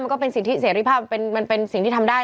ก็เป็นสิทธิเสรีภาพมันเป็นสิ่งที่ทำได้